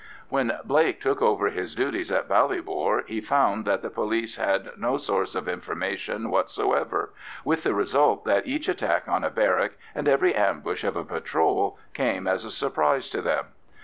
When Blake took over his duties at Ballybor, he found that the police had no source of information whatsoever, with the result that each attack on a barrack and every ambush of a patrol came as a surprise to them.